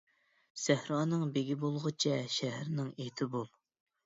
سەھرانىڭ بېگى بولغىچە، شەھەرنىڭ ئىتى بول.